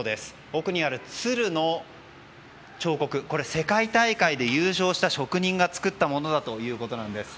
奥にあるツルの彫刻世界大会で優勝した職人が作ったものだということです。